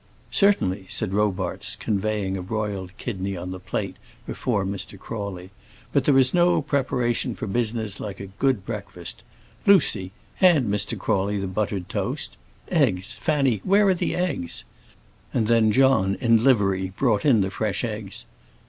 "Certainly," said Robarts, conveying a broiled kidney on to the plate before Mr. Crawley; "but there is no preparation for business like a good breakfast. Lucy, hand Mr. Crawley the buttered toast. Eggs, Fanny; where are the eggs?" And then John, in livery, brought in the fresh eggs.